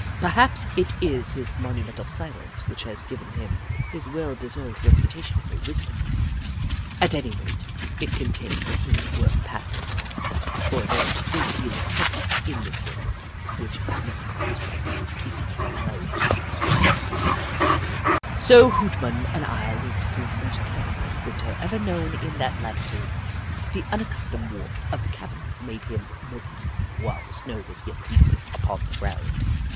Perhaps it is his monumental silence which has given him his well deserved reputation for wisdom. At any rate, it contains a hint worth passing on, for there is a great deal of trouble in this world which is not caused by people keeping their mouths shut. Hoot=Mon 22 1 So Hoot Mon and I lived through the most terrible Winter ever known in that latitude. The unaccustomed warmth of the cabin made him moult while the snow was yet deep upon the ground.